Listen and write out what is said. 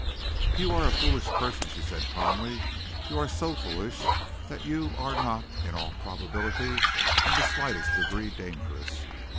"You are a foolish person," she said calmly. "You are so foolish that you are not, in all probability, in the slightest degree dangerous.